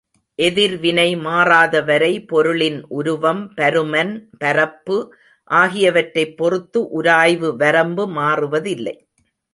எதிர்வினை மாறாத வரை பொருளின் உருவம், பருமன், பரப்பு ஆகியவற்றைப் பொறுத்து உராய்வு வரம்பு மாறுவதில்லை.